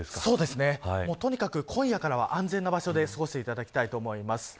とにかく今夜からは安全な場所で過ごしていただきたいと思います。